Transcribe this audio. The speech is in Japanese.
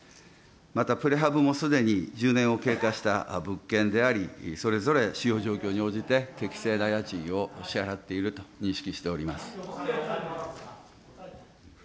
また、プレハブもすでに１０年を経過した物件であり、それぞれ使用状況に応じて、適正な家賃を支払っていると認識をしております。